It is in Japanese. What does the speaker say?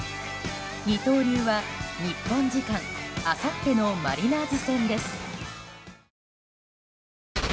二刀流は、日本時間あさってのマリナーズ戦です。